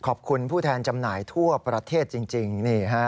ขอบคุณผู้แทนจำหน่ายทั่วประเทศจริงนี่ค่ะ